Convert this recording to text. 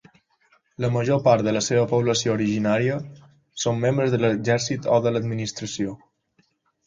La major part de la seva població originària són membres de l'exèrcit o de l'administració.